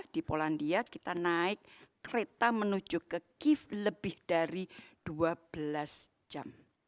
di polandia kita naik kereta menuju ke kiev lebih dari dua belas jam